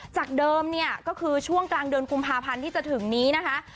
จากเดิมเนี่ยก็คือช่วงกลางเดือนกุมภาพันธ์ที่จะถึงนี้นะคะ